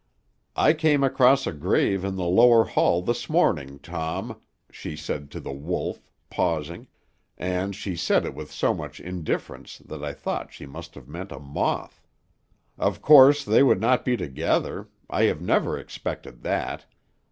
"'I came across a grave in the lower hall this morning, Tom,' she said to The Wolf, pausing; and she said it with so much indifference that I thought she must have meant a moth. 'Of course they would not be together: I have never expected that.